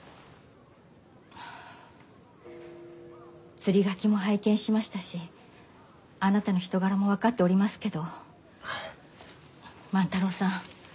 釣書も拝見しましたしあなたの人柄も分かっておりますけど万太郎さん